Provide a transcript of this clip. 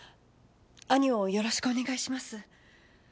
兄をよろしくお願いします。